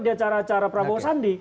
di acara acara prabowo sandi